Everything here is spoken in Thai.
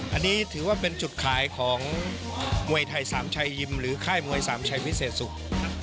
อันนี้ถือว่าเป็นจุดขายของมวยไทยสามชัยยิมหรือค่ายมวยสามชัยวิเศษสุข